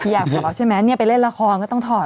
อยากถอดใช่ไหมไปเล่นละครก็ต้องถอด